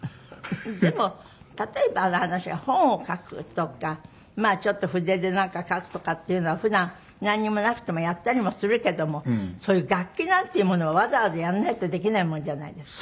でも例えばの話が本を書くとかちょっと筆でなんか書くとかっていうのは普段なんにもなくてもやったりもするけどもそういう楽器なんていうものはわざわざやらないとできないものじゃないですか。